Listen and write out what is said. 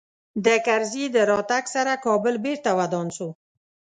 د کرزي د راتګ سره کابل بېرته ودان سو